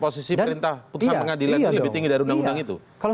posisi perintah putusan pengadilan itu lebih tinggi dari undang undang itu